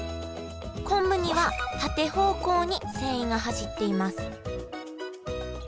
昆布には縦方向に繊維が走っています